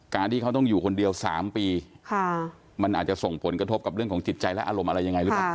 การที่เขาต้องอยู่คนเดียว๓ปีมันอาจจะส่งผลกระทบกับเรื่องของจิตใจและอารมณ์อะไรยังไงหรือเปล่า